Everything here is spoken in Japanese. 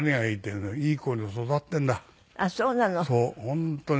本当に。